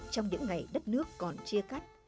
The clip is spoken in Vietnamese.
trong những ngày đất nước còn chia cắt